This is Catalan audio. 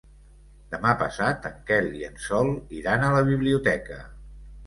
Demà passat en Quel i en Sol iran a la biblioteca.